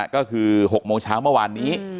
ก็คือ๖โมงเช้าเมื่อวานนี้